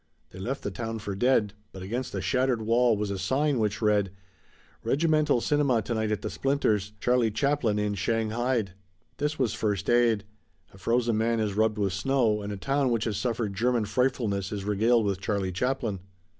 They left the town for dead, but against a shattered wall was a sign which read, "Regimental cinema tonight at the Splinters CHARLIE CHAPLIN IN SHANGHAIED." This was first aid. A frozen man is rubbed with snow and a town which has suffered German frightfulness is regaled with Charlie Chaplin.